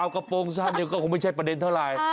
ไอ้กระโปรงสั้นก็คงไม่ใช่ประเด็นเท่าไร